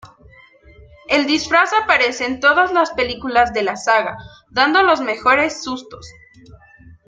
El disfraz aparece en todas las películas de la saga, dando los mejores sustos.